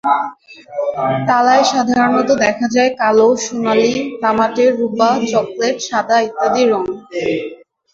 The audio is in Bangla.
তালায় সাধারণত দেখা যায় কালো, সোনালি, তামাটে, রুপা, চকলেট, সাদা ইত্যাদি রং।